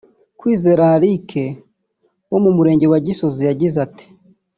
Kwizera Eric wo mu murenge wa Gisozi yagize ati